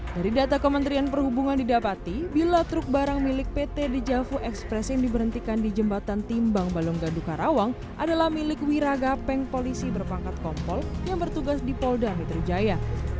dari data kementerian perhubungan didapati bila truk barang milik pt dejavu express yang diberhentikan di jembatan timbang balonggadu karawang adalah milik wiraga peng polisi berpangkat kompol yang bertugas di polda metro jaya